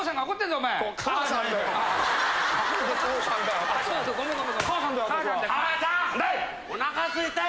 おかなすいたよ。